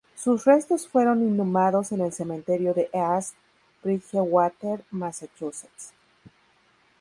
Sus restos fueron inhumados en el cementerio de East Bridgewater, Massachusetts.